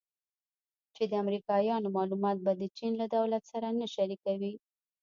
چې د امریکایانو معلومات به د چین له دولت سره نه شریکوي